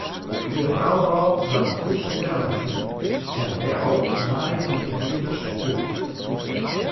De frou rôp dat de polysje belle wie en dêrop naaiden de dieders út.